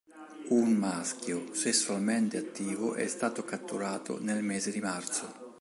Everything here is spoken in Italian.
Un maschio sessualmente attivo è stato catturato nel mese di marzo.